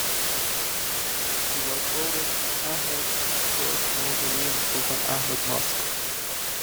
He was buried in Ahmed I Mausoleum, Sultan Ahmed Mosque.